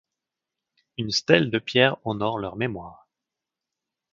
Une stèle de pierre honore leur mémoire.